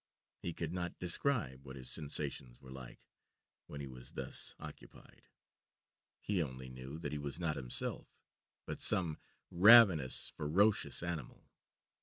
He could not describe what his sensations were like when he was thus occupied; he only knew that he was not himself but some ravenous, ferocious animal.